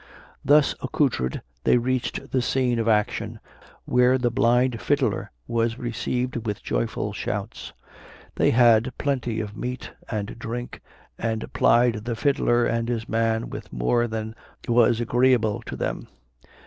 Thus accoutred, they reached the scene of action, where the blind fiddler was received with joyful shouts. They had plenty of meat and drink, and plied the fiddler and his man with more than was agreeable to them.